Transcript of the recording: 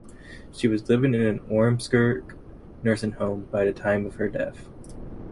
She was living in an Ormskirk nursing home by the time of her death.